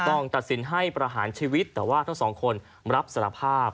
ต้องตัดสินให้ประหารชีวิตแต่ว่าทั้งสองคนรับสารภาพ